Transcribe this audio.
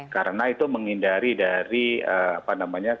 karena itu menghindari dari kontaminasi atau penyebabnya